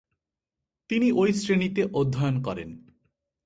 তিনি ওই শ্রেণিতে অধ্যয়ন করেন।